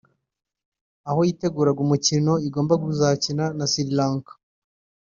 aho yiteguraga umukino igomba kuzakina na Sri Lanka